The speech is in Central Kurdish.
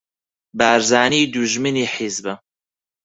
بارزانی دوژمنی حیزبە